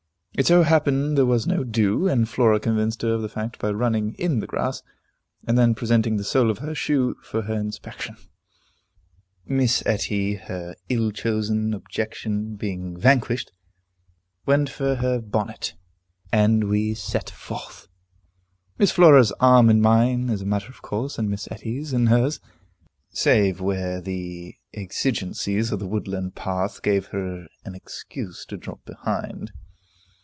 It so happened there was no dew, and Flora convinced her of the fact by running in the grass, and then presenting the sole of her shoe for her inspection. Miss Etty, her ill chosen objection being vanquished, went for her bonnet, and we set forth, Miss Flora's arm in mine as a matter of course, and Miss Etty's in hers, save where the exigencies of the woodland path gave her an excuse to drop behind.